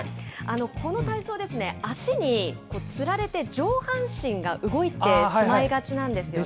この体操ですね、足につられて上半身が動いてしまいがちなんですよね。